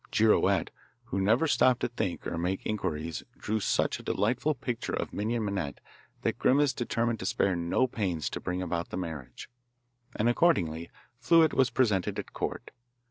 Girouette, who never stopped to think or to make inquiries, drew such a delightful picture of Minon Minette that Grimace determined to spare no pains to bring about the marriage, and accordingly Fluet was presented at court.